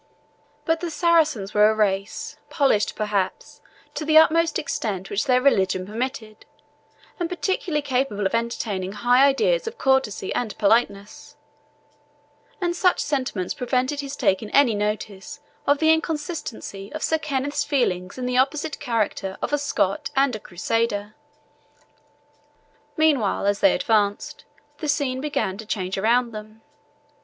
But the Saracens were a race, polished, perhaps, to the utmost extent which their religion permitted, and particularly capable of entertaining high ideas of courtesy and politeness; and such sentiments prevented his taking any notice of the inconsistency of Sir Kenneth's feelings in the opposite characters of a Scot and a Crusader. Meanwhile, as they advanced, the scene began to change around them.